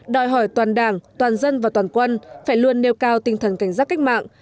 đòi hỏi toàn đảng toàn dân và toàn quân phải luôn nêu cao tinh thần cảnh giác cách mạng